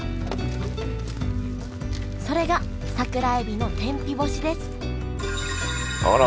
それが桜えびの天日干しですあら！